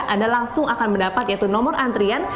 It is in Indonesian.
anda langsung akan mendapat yaitu nomor antrian